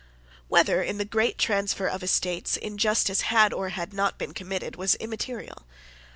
Whether, in the great transfer of estates, injustice had or had not been committed, was immaterial.